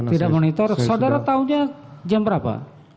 tidak monitor saudara tahunya jam berapa